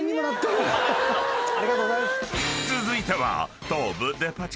［続いては］